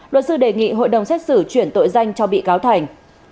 luật sư đề nghị hội đồng xét xử chuyển tội danh cho bị cáo thành